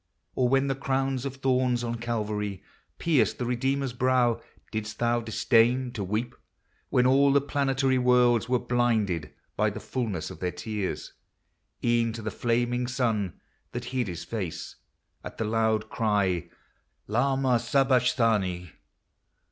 Or when the crown of thorns on Calvary Pierced the Redeemer's brow, didst thou disdain To weep, when all the planetary worlds Were blinded by the fulness of their tears ? E'en to the flaming sun, that hid his face At the loud cry, " Lama Sabachthani